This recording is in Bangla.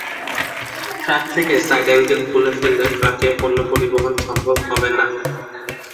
ট্রাক থেকে সাইড অ্যাঙ্গেল খুলে ফেললে ট্রাকে পণ্য পরিবহন সম্ভব হবে না।